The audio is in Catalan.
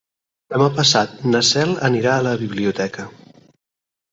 Demà passat na Cel anirà a la biblioteca.